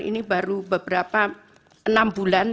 ini baru beberapa enam bulan